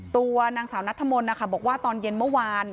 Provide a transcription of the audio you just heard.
ตัวนางสาวนัทธมนต์นะคะบอกว่าตอนเย็นเมื่อวาน